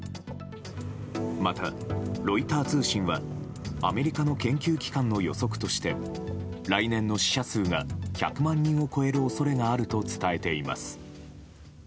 また、ロイター通信はアメリカの研究機関の予測として来年の死者数が１００万人を超える恐れがあると伝えています。